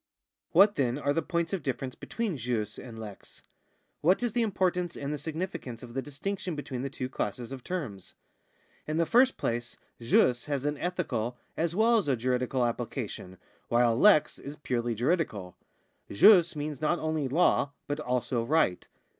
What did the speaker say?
What, then, are the points of difference between jus and lex ; what is the importance and the significance of the distinction between the two classes of terms ? In the first place jus has an ethical as well as a juridical application, while lex is purely juridical. Jvs means not only law but also right.